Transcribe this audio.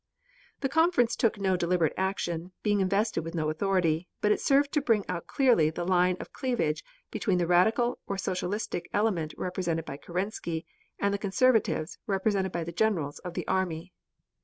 '" The conference took no definite action, being invested with no authority, but it served to bring out clearly the line of cleavage between the Radical or Socialistic element represented by Kerensky and the Conservatives represented by the generals of the army.